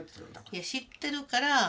いや知ってるから。